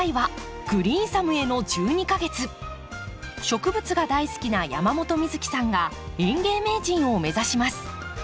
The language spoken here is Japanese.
植物が大好きな山本美月さんが園芸名人を目指します。